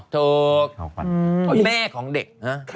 ถูกแม่ของเด็ก